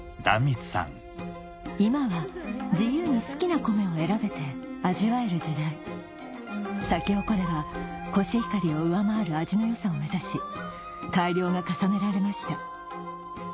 ・今は自由に好きなコメを選べて味わえる時代サキホコレはコシヒカリを上回る味の良さを目指し改良が重ねられました